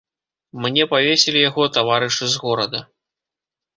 Мне павесілі яго таварышы з горада.